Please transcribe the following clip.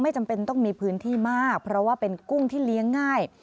จำเป็นต้องมีพื้นที่มากเพราะว่าเป็นกุ้งที่เลี้ยงง่าย